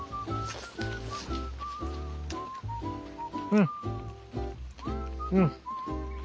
うんうん。